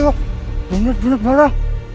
aku sudah gak sabar lagi barang